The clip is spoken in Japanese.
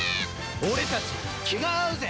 俺たち気が合うぜ。